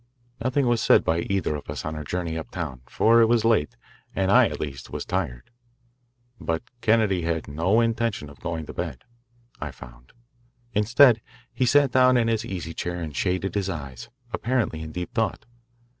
Nothing was said by either of us on our journey uptown, for it was late and I, at least, was tired. But Kennedy had no intention of going to bed, I found. Instead, he sat down in his easy chair and shaded his eyes, apparently in deep thought.